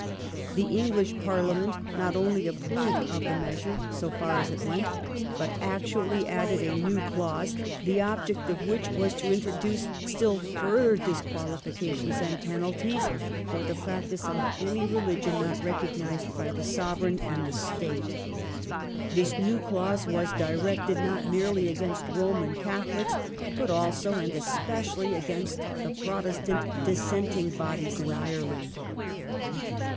The English Parliament not only approved of the measure, so far as it went, but actually added a new clause, the object of which was to introduce still further disqualifications and penalties for the practice of any religion not recognised by the Sovereign and the State. This new clause was directed not merely against Eoman Catholics but also and especially against the Protestant dissenting bodies in Ireland.